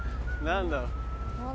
何だ。